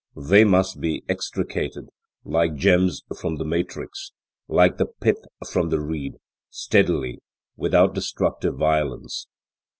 They must be extricated, like gems from the matrix, like the pith from the reed, steadily, without destructive violence.